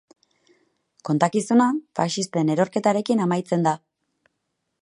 Kontakizuna faxisten erorketarekin amaitzen da.